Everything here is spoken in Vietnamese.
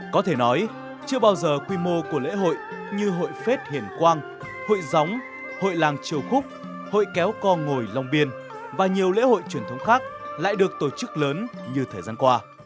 có thể nói chưa bao giờ quy mô của lễ hội như hội phết hiền quang hội gióng hội làng triều khúc hội kéo co ngồi long biên và nhiều lễ hội truyền thống khác lại được tổ chức lớn như thời gian qua